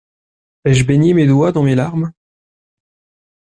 Ai-je baigné mes doigts dans mes larmes!